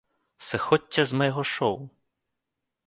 Сыходзьце з майго шоў!